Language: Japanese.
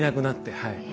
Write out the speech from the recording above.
はい。